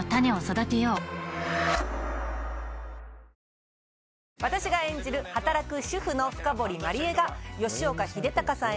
新しくなった私が演じる働く主婦の深堀万里江が吉岡秀隆さん